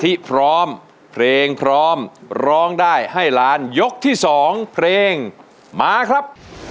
ที่พร้อมเพลงพร้อมร้องได้ให้ล้านยกที่สองเพลงมาครับ